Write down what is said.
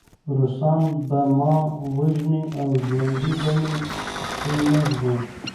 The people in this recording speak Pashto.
روسان به ما وژني او ژوندی به مې پرېنږدي